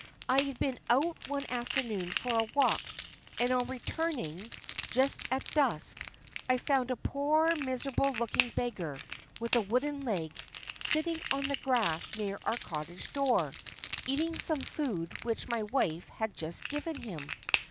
I had been out one afternoon for a walk, and on returning, just at dusk, I found a poor miserable looking beggar, with a wooden leg, sitting on the grass near our cottage door, eating some food which my wife had just given him.